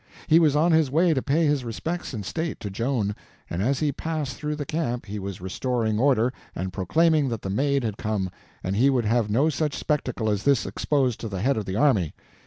He was on his way to pay his respects in state to Joan, and as he passed through the camp he was restoring order, and proclaiming that the Maid had come, and he would have no such spectacle as this exposed to the head of the army.